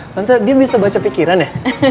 maksudnya dia bisa baca pikiran ya